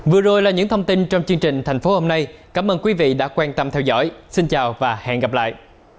vừa rồi là những thông tin trong chương trình thành phố hôm nay cảm ơn quý vị đã quan tâm theo dõi xin chào và hẹn gặp lại